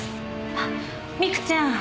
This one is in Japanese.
あっ美久ちゃん。